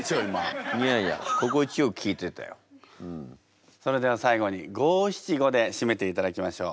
いやいやそれでは最後に五・七・五でしめていただきましょう。